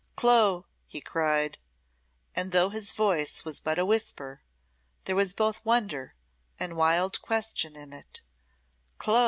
"Clo!" he cried, and though his voice was but a whisper, there was both wonder and wild question in it "Clo!"